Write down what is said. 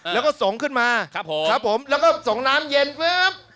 แล้วก็ส่งขึ้นมาครับผมครับผมแล้วก็ส่งน้ำเย็นปุ๊บ